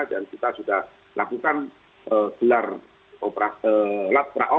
dan kita sudah lakukan gelar operasi